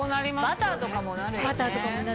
バターとかもなるよね。